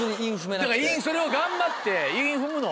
それを頑張って韻踏むの。